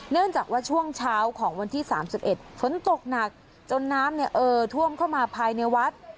เนื่องจากว่าช่วงเช้าของวันที่สามสิบเอ็ดฝนตกหนักจนน้ำเนี่ยเออท่วมเข้ามาภายในวัด